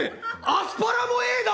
アスパラも「Ａ」だ！